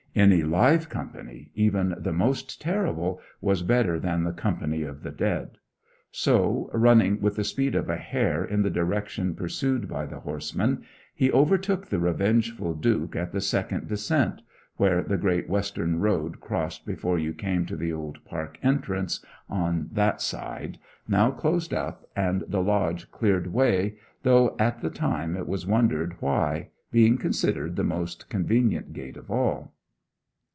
Any live company, even the most terrible, was better than the company of the dead; so, running with the speed of a hare in the direction pursued by the horseman, he overtook the revengeful Duke at the second descent (where the great western road crossed before you came to the old park entrance on that side now closed up and the lodge cleared away, though at the time it was wondered why, being considered the most convenient gate of all).